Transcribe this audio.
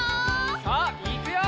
さあいくよ！